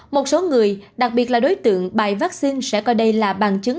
một số người đặc biệt là đối tượng bài vaccine sẽ coi đây là bằng chứng